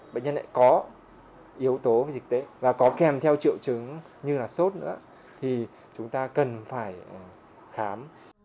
bệnh nhân có yếu tố dịch tế và có kèm theo triệu chứng như là sốt nữa thì chúng ta cần phải khám